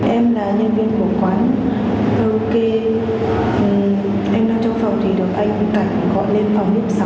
em là nhân viên của quán karaoke em đang trong phòng thì được anh cảnh gọi lên phòng hút sáu để thử khách